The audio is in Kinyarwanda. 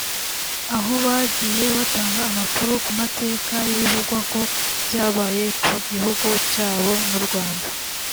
Aho bagiye batanga amakuru ku mateka y’ibivugwa ko byabaye ku gihugu cyabo n’u Rwanda